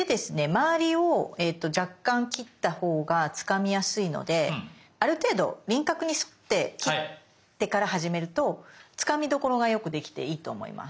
周りを若干切ったほうがつかみやすいのである程度輪郭に沿って切ってから始めるとつかみどころがよくできていいと思います。